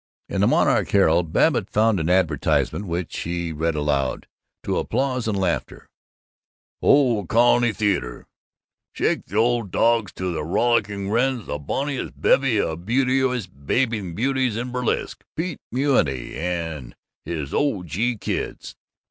In the Monarch Herald, Babbitt found an advertisement which he read aloud, to applause and laughter: Old Colony Theatre Shake the Old Dogs to the WROLLICKING WRENS The bonniest bevy of beauteous bathing babes in burlesque. Pete Menutti and his Oh, Gee, Kids.